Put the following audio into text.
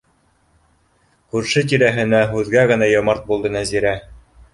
Күрше-тирәһенә һүҙгә генә йомарт булды Нәзирә.